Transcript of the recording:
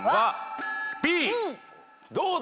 どうだ？